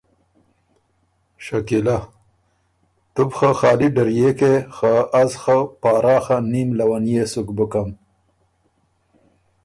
شکیلۀ: تو بو خه خالی ډريېکې خه از خه پاراخه نېم لونيې سُک بُکم۔